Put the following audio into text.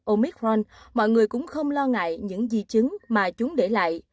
omicron mọi người cũng không lo ngại những di chứng mà chúng để lại